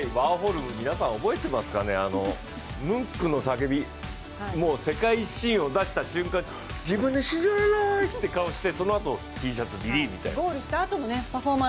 皆さん覚えてますかね、ムンクの「叫び」、世界新を出した瞬間に自分で「信じられない」という顔をしてそのあとＴシャツ切りみたいな。